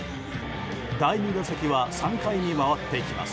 第２打席は３回に回ってきます。